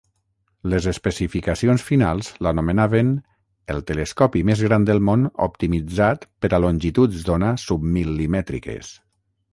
Les especificacions finals l'anomenaven "el telescopi més gran del món optimitzat per a longituds d'ona submil·limètriques".